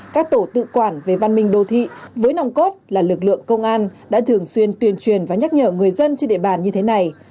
các tổ tự quản về văn minh đô thị với nồng cốt là lực lượng công an đã thường xuyên tuyên truyền và nhắc nhở người dân trên địa bàn như thế này